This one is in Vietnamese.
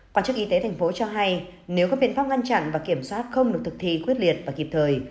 quản chức y tế thành phố cho hay nếu các biện pháp ngăn chặn và kiểm soát không được thực thi quyết liệt và kịp thời